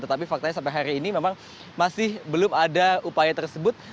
tetapi faktanya sampai hari ini memang masih belum ada upaya tersebut